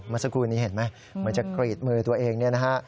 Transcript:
เมื่อสักครู่นี้เห็นไหมเหมือนจะกรีดมือตัวเองเนี่ยนะฮะ